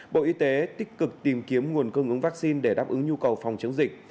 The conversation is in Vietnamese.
bộ y tế tích cực tìm kiếm nguồn cung ứng vaccine để đáp ứng nhu cầu phòng chống dịch